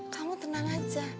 kamu tenang aja